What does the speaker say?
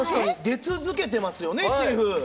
出続けてますよねチーフ。